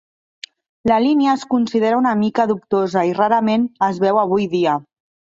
La línia es considera una mica dubtosa i rarament es veu avui dia.